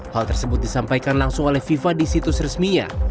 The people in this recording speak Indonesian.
hal tersebut disampaikan langsung oleh fifa di situs resminya